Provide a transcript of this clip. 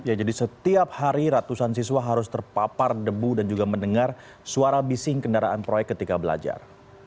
ya jadi setiap hari ratusan siswa harus terpapar debu dan juga mendengar suara bising kendaraan proyek ketika belajar